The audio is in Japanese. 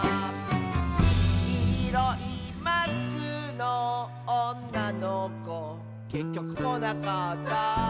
「きいろいマスクのおんなのこ」「けっきょくこなかった」